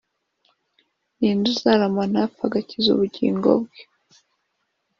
Ni nde uzarama ntapfe Agakiza ubugingo bwe